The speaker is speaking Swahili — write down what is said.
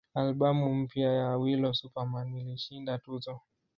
Albamu mpya ya Awilo Super Man ilishinda tuzo